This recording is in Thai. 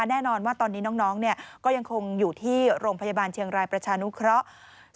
แน่นอนว่าตอนนี้น้องก็ยังคงอยู่ที่โรงพยาบาลเชียงรายประชานุเคราะห์